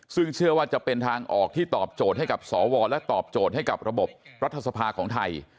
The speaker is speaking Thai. ซึ่งเชื่อว่าจะเป็นทางออกที่ตอบโจทย์ให้กับสวและตอบโจทย์ให้กับระบบรัฐสภาของไทย